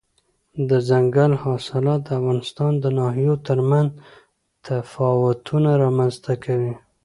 دځنګل حاصلات د افغانستان د ناحیو ترمنځ تفاوتونه رامنځته کوي.